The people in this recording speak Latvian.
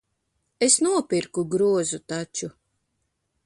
Es nopirku grozu taču.